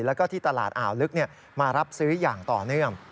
แล้วก็ที่ตลาดอ่าวลึกมารับซื้ออย่างต่อเนื่อง